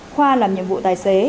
khoa làm nhiệm vụ tài xế